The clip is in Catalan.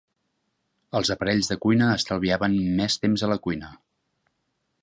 Els aparells de cuina estalviaven més temps a la cuina.